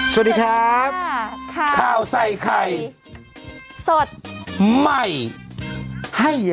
สวัสดีครับข้าวใส่ไข่สดใหม่ให้เยอะ